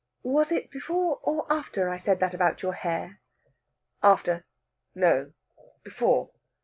"Was it before or after I said that about your hair?" "After. No, before.